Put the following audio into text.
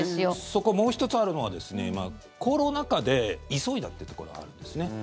そこ、もう１つあるのはコロナ禍で急いだというところがあるんですね。